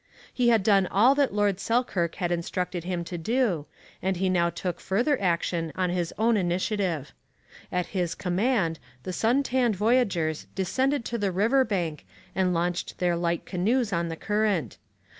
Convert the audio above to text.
He had done all that Lord Selkirk had instructed him to do, and he now took further action on his own initiative. At his command the sun tanned voyageurs descended to the river bank and launched their light canoes on the current.